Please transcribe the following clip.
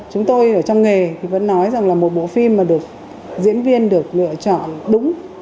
chúng tôi ở trong nghề thì vẫn nói rằng là một bộ phim mà được diễn viên được lựa chọn đúng